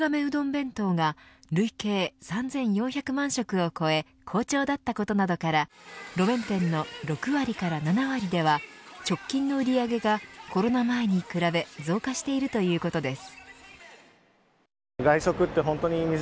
弁当が累計３４００万食を超え好調だったことなどから路面店の６割から７割では直近の売り上げがコロナ前に比べ増加しているということです。